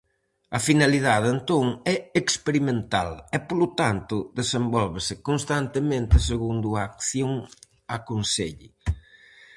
A finalidade, entón, é experimental, e polo tanto desenvólvese constantemente segundo a acción aconselle.